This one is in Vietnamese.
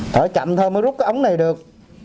thở chậm thôi mới rút cái ống này được